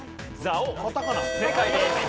正解です。